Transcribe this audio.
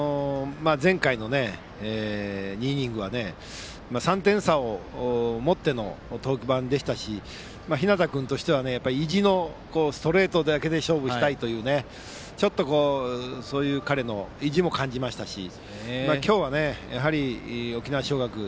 前回の２イニングは３点差を持っての登板でしたし、日當君としては意地のストレートだけで勝負したいというそういう彼の意地も感じましたし今日は沖縄尚学